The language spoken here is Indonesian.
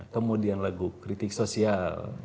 kemudian lagu kritik sosial